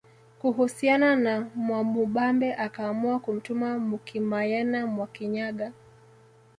Kuhusiana na Mwamubambe akaamua kumtuma Mukimayena Mwakinyaga